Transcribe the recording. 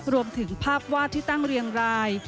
รวมถึงภาพวาดที่ตั้งเรียงราย